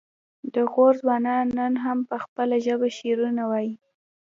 د غور ځوانان نن هم په خپله ژبه شعرونه وايي